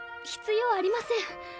必要ありません！